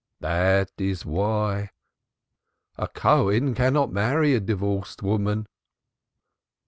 "That is why. A Cohen cannot marry a divorced woman."